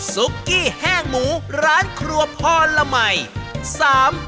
๒ซุกกี้แห้งหมูร้านครัวพ่อละไหม